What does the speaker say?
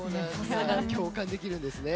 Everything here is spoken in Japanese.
共感できるんですね。